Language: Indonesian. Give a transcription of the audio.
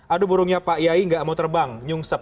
aduh burungnya pak yai nggak mau terbang nyungsep